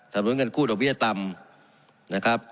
สนุนเงินคู่ดอกเวียดต่ำ